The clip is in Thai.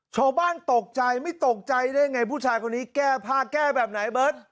ชาวบ้านตกใจไม่ตกใจได้ไงผู้ชายคนนี้แก้ผ้าแก้แบบไหนเบิร์ต